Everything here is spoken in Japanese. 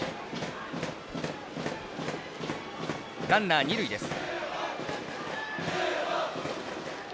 ランナー、二塁です。